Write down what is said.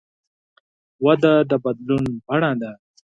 وده د بدلون بڼه ده.